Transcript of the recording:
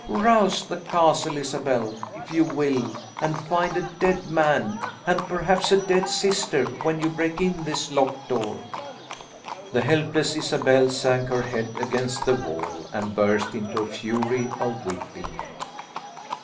Rouse the castle, Isabel, if you will, and find a dead man, and perhaps a dead sister, when you break in this locked door." The helpless Isabel sank her head against the wall and burst into a fury of weeping.